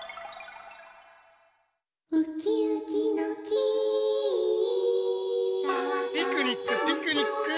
「ウキウキの木」ピクニックピクニック！